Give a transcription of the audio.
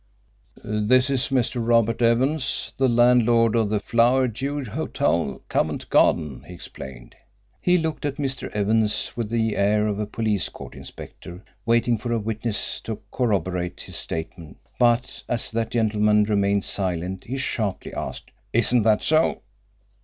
"This is Mr. Robert Evans, the landlord of the Flowerdew Hotel, Covent Garden," he explained. He looked at Mr. Evans with the air of a police court inspector waiting for a witness to corroborate his statement, but as that gentleman remained silent he sharply asked, "Isn't that so?"